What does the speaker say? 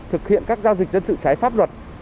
thực hiện các giao dịch dân sự trái pháp luật